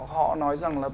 họ nói rằng là